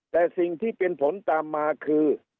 แต่สิ่งที่เป็นผลตามมาคือ